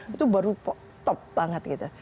itu baru top banget gitu